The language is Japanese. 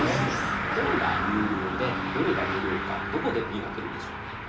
どれが有料でどれが無料かどこで見分けるでしょうか？